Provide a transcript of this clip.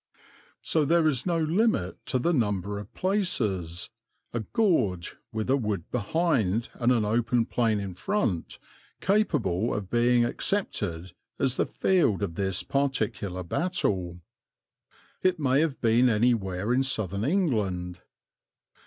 So there is no limit to the number of places a gorge, with a wood behind and an open plain in front capable of being accepted as the field of this particular battle. It may have been anywhere in southern England.